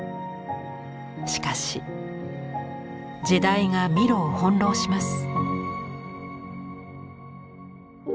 しかし時代がミロを翻弄します。